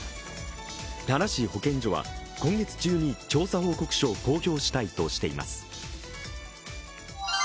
奈良市の保健所は今月中に調査報告書を公表したいとしています